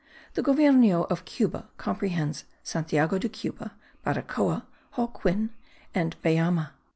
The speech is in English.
The govierno of Cuba comprehends Santiago de Cuba, Baracoa, Holguin and Bayamo.